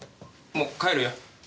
もう帰るよ。